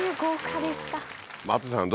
松下さん